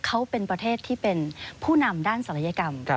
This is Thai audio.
เขาเป็นประเทศที่เป็นผู้นำด้านศัลยกรรม